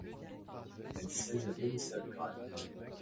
Elle siège à Tomislavgrad.